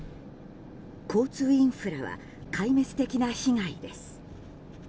交通インフラは壊滅的な被害です。